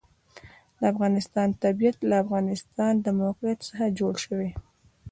د افغانستان طبیعت له د افغانستان د موقعیت څخه جوړ شوی دی.